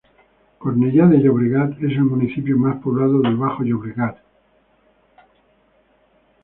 Cornellá de Llobregat es el municipio más poblado del Bajo Llobregat con habitantes.